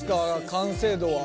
完成度は。